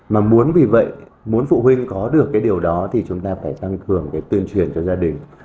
mà muốn vì vậy muốn phụ huynh có được cái điều đó thì chúng ta phải tăng cường cái tuyên truyền cho gia đình